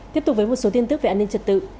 tiếp tục với một số tin tức về an ninh trật tự